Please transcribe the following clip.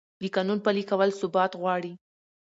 د قانون پلي کول ثبات غواړي